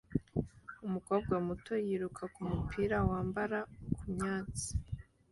Umukobwa muto yiruka kumupira wamabara kumyatsi